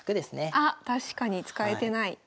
あっ確かに使えてない。